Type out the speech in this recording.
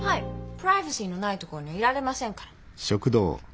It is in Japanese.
プライバシーのないとこにいられませんから。